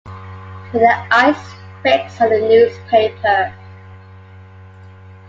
With the eyes fixed on the newspaper.